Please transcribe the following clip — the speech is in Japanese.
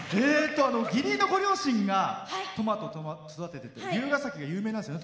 義理のご両親がトマトを育てて龍ケ崎、有名なんですよね。